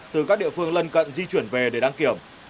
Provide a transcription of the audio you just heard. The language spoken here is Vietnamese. từ các địa phương lân cận di chuyển về để đăng kiểm